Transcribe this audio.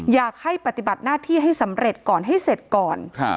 อยากให้ปฏิบัติหน้าที่ให้สำเร็จก่อนให้เสร็จก่อน